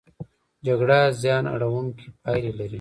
جګړه زیان اړوونکې پایلې لري.